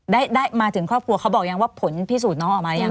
ได้มาถึงครอบครัวเขาบอกยังว่าผลพิสูจน์น้องออกมายัง